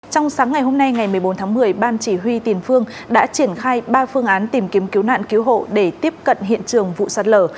trong sáng ngày hôm nay ngày một mươi bốn tháng một mươi ban chỉ huy tiền phương đã triển khai ba phương án tìm kiếm cứu nạn cứu hộ để tiếp cận hiện trường vụ sạt lở